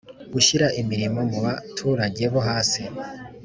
Gushyira Imirimo muba turage bo hasi